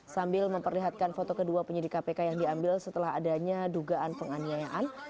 sambil memperlihatkan foto kedua penyidik kpk yang diambil setelah adanya dugaan penganiayaan